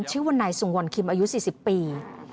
ชื่อว่านายสุงวรคิมอายุ๔๐ปี